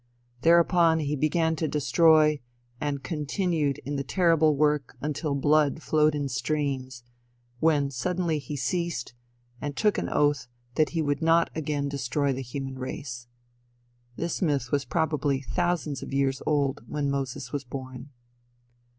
Thereupon he began to destroy, and continued in the terrible work until blood flowed in streams, when suddenly he ceased, and took an oath that he would not again destroy the human race. This myth was probably thousands of years old when Moses was born.